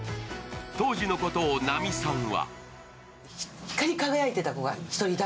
当時のことを奈美さんは。